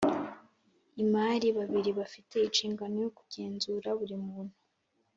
Imari babiri bafite inshingano yo kugenzura buri muntu